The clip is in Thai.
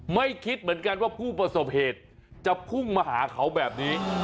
ไม่คิดเหมือนกันว่าผู้ประสบเหตุจะพุ่งมาหาเขาแบบนี้